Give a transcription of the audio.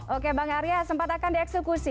oke bang arya sempat akan dieksekusi